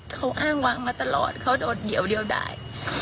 เขาอ้างวางมาตลอดเขาโดดเดี่ยวเดียวได้